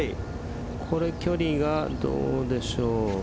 これ距離がどうでしょう。